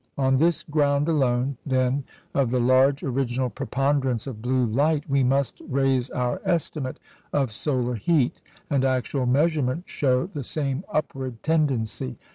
On this ground alone, then, of the large original preponderance of blue light, we must raise our estimate of solar heat; and actual measurements show the same upward tendency.